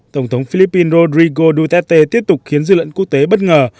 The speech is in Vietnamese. tổng thống philippines rodrigo duterte tiếp tục khiến dư luận quốc tế bất ngờ